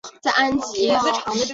把身上穿的羽绒外套收起来